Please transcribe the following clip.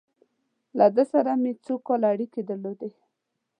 له ده سره مې څو کاله اړیکې درلودې.